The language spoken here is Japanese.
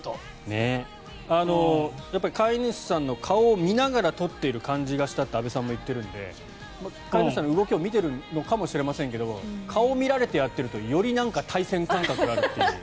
やっぱり飼い主さんの顔を見ながら取っている感じがしたって阿部さんも言っているので飼い主さんの動きを見ているのかもしれませんが顔を見られてやっているとより対戦感覚があるという。